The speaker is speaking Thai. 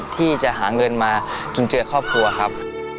ที่จะหาเงินมาจุนเจือครอบครัวครับ